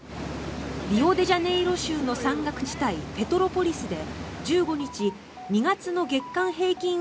リオデジャネイロ州の山岳地帯ペトロポリスで１５日２月の月間平均